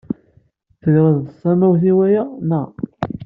Tegreḍ tamawt i waya, naɣ?